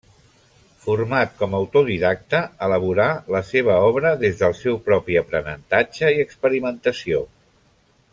Format com a autodidacte, elaborà la seva obra des del seu propi aprenentatge i experimentació.